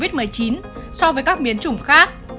bệnh nhân covid một mươi chín so với các biến chủng khác